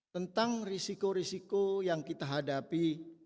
tentang risiko risiko yang kita hadapi